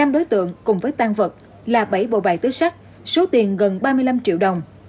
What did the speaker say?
năm đối tượng cùng với tan vật là bảy bộ bài tứ sắc số tiền gần ba mươi năm triệu đồng